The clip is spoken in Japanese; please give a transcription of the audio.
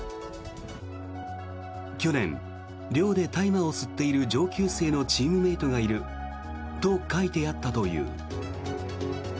去年寮で大麻を吸っている上級生のチームメートがいると書いてあったという。